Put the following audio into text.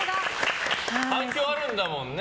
反響あるんだもんね。